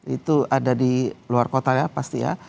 itu ada di luar kota ya pasti ya